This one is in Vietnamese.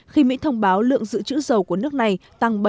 khi mỹ thông báo lượng dự trữ dầu của nước này tăng bảy